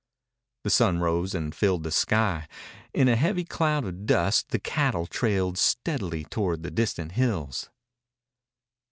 The sun rose and filled the sky. In a heavy cloud of dust the cattle trailed steadily toward the distant hills.